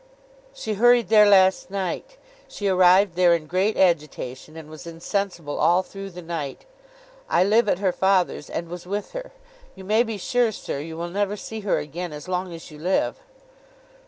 'She hurried there last night. She arrived there in great agitation, and was insensible all through the night. I live at her father's, and was with her. You may be sure, sir, you will never see her again as long as you live.